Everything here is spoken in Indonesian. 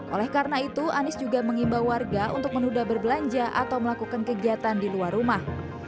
oleh karena itu anies juga mengimbau warga untuk menunda berbelanja atau melakukan kegiatan di luar rumah